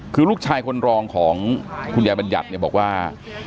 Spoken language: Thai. คือลูกชายคนรองของคุณยายบัญญัติเนี่ยบอกว่า